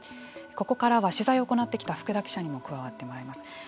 ここからは、取材を行ってきた福田記者にも加わってもらいます。